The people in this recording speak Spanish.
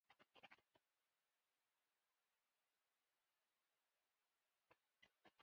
Existen importantes poblaciones de esta especie en el área.